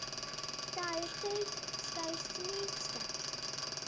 Tā ir teika, skaists mīts taču.